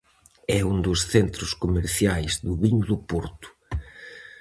É un dos centros comerciais do viño do Porto.